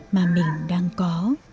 mà mình đang có